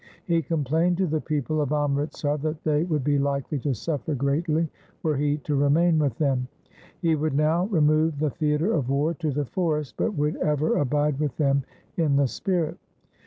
He complained to the people of Amritsar that they would be likely to suffer greatly were he to remain with them. He would now re SIKH. IV L 146 THE SIKH RELIGION move the. theatre of war to the forest, but would ever abide with them in the spirit.